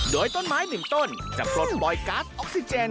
โดยต้นไม้หนึ่งต้นจะปลดบอยกัสออกซิเจน